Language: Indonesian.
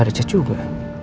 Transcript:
ada chat juga